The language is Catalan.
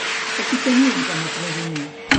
A qui tenien com a presoner?